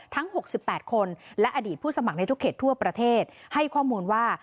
ทั้ง๖๘คนและอดีตผู้สมัครในทุกเขตทั่วประเทศให้ข้อมูลว่า